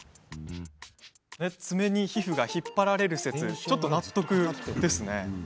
爪に皮膚が引っ張られる説納得です。